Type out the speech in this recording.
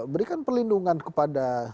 berikan pelindungan kepada